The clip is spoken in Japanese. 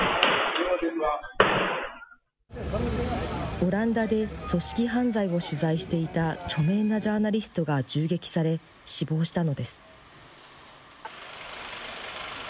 オランダで組織犯罪を取材していた著名なジャーナリストが銃撃され、死亡したのです。